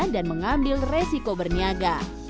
dan mengambil resiko berniaga